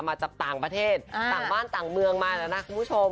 มาจากต่างประเทศต่างบ้านต่างเมืองมาแล้วนะคุณผู้ชม